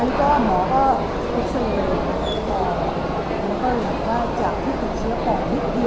ช่วยมากนะน่ากลุ่มที่ก็ร่างประสุทธิ์ของผู้โดย